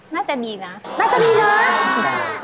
น่าจะดีนะ